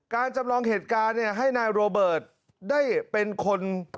จำลองเหตุการณ์ให้นายโรเบิร์ตได้เป็นคน